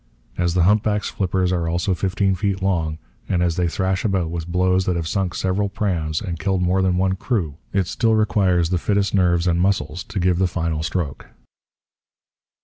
As the humpback's flippers are also fifteen feet long, and as they thrash about with blows that have sunk several prams and killed more than one crew, it still requires the fittest nerves and muscles to give the final stroke.